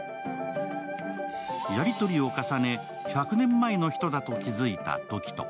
やりとりを重ね、１００年前の人だと気づいた時翔。